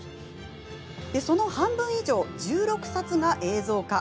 その半分以上、１６冊が映像化。